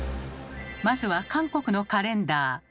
まずは韓国のカレンダー。